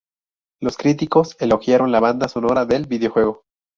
Los críticos elogiaron la banda sonora del videojuego.